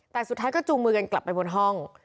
แต่สุดท้ายก็จูงมือกันกลับไปบนห้อง